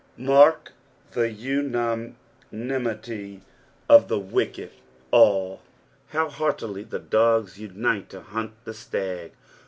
Mark the unaDimity of the wicked —" alL" How heartily the dogs unite to hunt the stag!